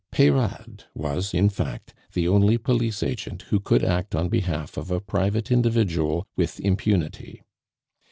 Peyrade was, in fact, the only police agent who could act on behalf of a private individual with impunity.